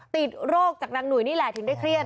ติดโรคจากนางหนุ่ยนี่แหละถึงได้เครียด